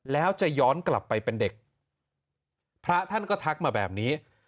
แล้วจะย้อนกลับไปเป็นเด็กพระท่านก็ทักมาแบบนี้